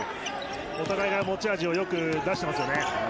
お互いが持ち味をよく出していますよね。